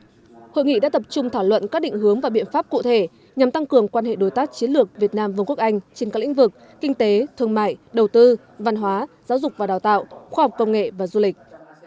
trong hội nghị đã tập trung thảo luận các định hướng và biện pháp cụ thể nhằm tăng cường quan hệ đối tác chiến lược việt nam vương quốc anh trên các lĩnh vực kinh tế thương mại đầu tư văn hóa giáo dục và đào tạo khoa học công nghệ và du lịch